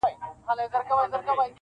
مبارک دي سه فطرت د پسرلیو,